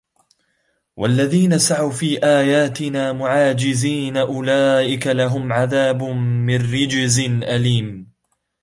وَالَّذينَ سَعَوا في آياتِنا مُعاجِزينَ أُولئِكَ لَهُم عَذابٌ مِن رِجزٍ أَليمٌ